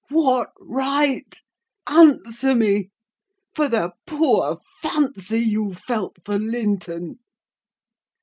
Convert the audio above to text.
What right—answer me—for the poor fancy you felt for Linton?